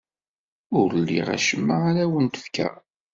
Ur liɣ acemma ara awent-fkeɣ.